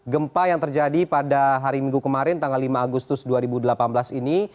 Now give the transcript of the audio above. gempa yang terjadi pada hari minggu kemarin tanggal lima agustus dua ribu delapan belas ini